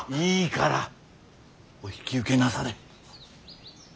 いいからお引き受けなされ。